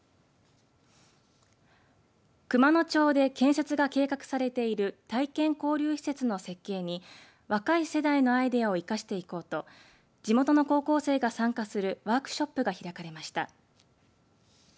熊野町で建設が計画されている体験交流施設の設計に若い世代のアイデアを生かしていこうと地元の高校生が参加するワークショップが開かれました。